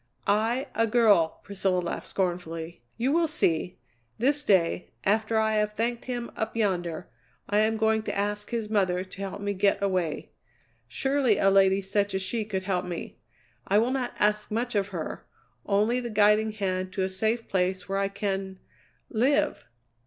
"I, a girl!" Priscilla laughed scornfully. "You will see. This day, after I have thanked him up yonder, I am going to ask his mother to help me get away. Surely a lady such as she could help me. I will not ask much of her, only the guiding hand to a safe place where I can live!